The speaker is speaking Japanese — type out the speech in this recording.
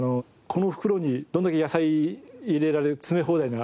この袋にどれだけ野菜入れられる詰め放題の。